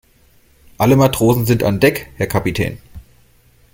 Alle Matrosen sind an Deck, Herr Kapitän.